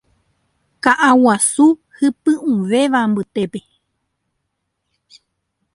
Ka'a guasu hypy'ũvéva mbytépe